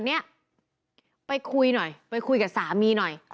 นี่ไปคุยกับสามีหน่อย